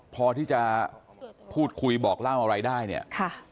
พอที่จะพูดคุยบอกเล่าอะไรได้เนี่ยค่ะ